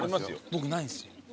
僕ないんすよ。